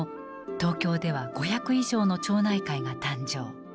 東京では５００以上の町内会が誕生。